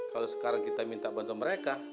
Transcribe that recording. kalau sekarang kita minta bantu mereka